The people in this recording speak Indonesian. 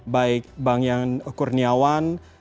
baik bang yang kurniawan